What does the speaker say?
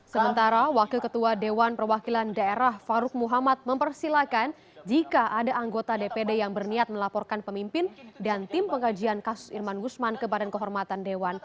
sementara wakil ketua dewan perwakilan daerah farouk muhammad mempersilahkan jika ada anggota dpd yang berniat melaporkan pemimpin dan tim pengajian kasus irman gusman ke badan kehormatan dewan